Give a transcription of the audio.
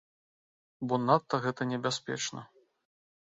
Бо надта гэта небяспечна.